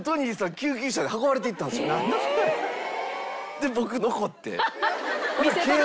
で僕残って。